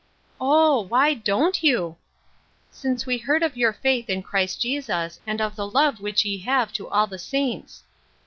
" Oh, why don't you ?' Since we heard of your faith in Christ Jesus, and cf the love which ye have to all the saints.'